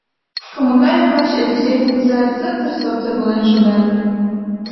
Комака ӱмбач Элексей кугызат сыптыр-соптыр волен шогале.